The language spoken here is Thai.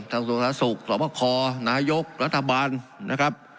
ทางสวทธิศสุขสมมติคอร์นายกรัฐบาลนะครับ